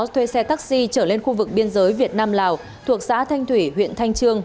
thuê xe taxi trở lên khu vực biên giới việt nam lào thuộc xã thanh thủy huyện thanh trương